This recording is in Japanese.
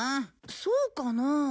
そうかなあ。